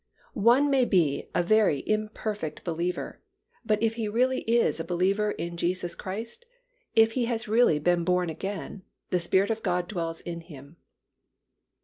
One may be a very imperfect believer but if he really is a believer in Jesus Christ, if he has really been born again, the Spirit of God dwells in him.